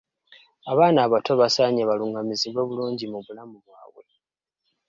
Abaana abato basaanye balungamizibwe bulungi mu bulamu bwabwe.